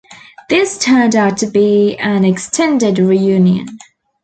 This turned out to be an extended reunion.